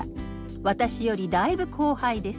私よりだいぶ後輩です。